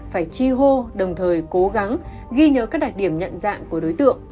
phải chi hô đồng thời cố gắng ghi nhớ các đặc điểm nhận dạng của đối tượng